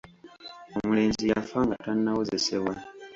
Omulenzi yafa nga tannawozesebwa.